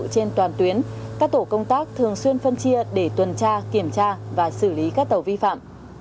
trên toàn tuyến các tổ công tác thường xuyên phân chia để tuần tra kiểm tra và xử lý các tàu vi phạm